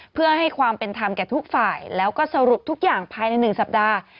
เพื่อให้ความเป็นธรรมแก่ทุกฝ่ายแล้วก็สรุปทุกอย่างภายใน๑สัปดาห์